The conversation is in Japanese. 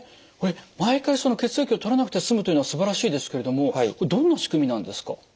これ毎回血液を採らなくて済むというのはすばらしいですけれどもこれどんな仕組みなんですか？